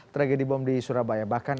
tragedi bom di surabaya bahkan